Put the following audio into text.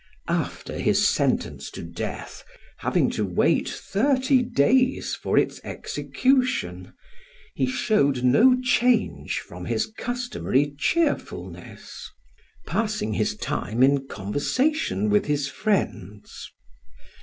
After his sentence to death, having to wait thirty days for its execution, he showed no change from his customary cheerfulness, passing his time in conversation with his friends.